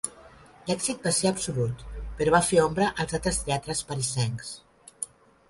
L'èxit va ser absolut, però va fer ombra als altres teatres parisencs.